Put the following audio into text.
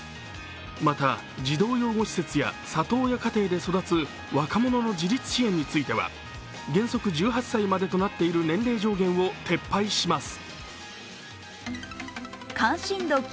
また児童養護施設や里親家庭で育つ若者の自立支援については原則１８歳までとなっている年齢上限を撤廃します。